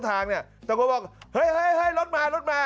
แต่คนบอกเฮ้ยเฮ้ยเฮ้ยรถมารถมา